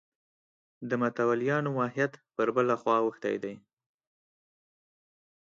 د متولیانو ماهیت پر بله خوا اوښتی دی.